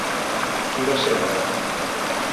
Qui va ser Agar?